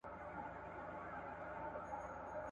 د مغل زور په دهقان، د دهقان زور په مځکه.